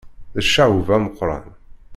D ccaɣub ameqqran.